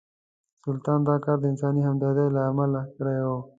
سلطان دا کار د انساني همدردۍ له امله کړی و.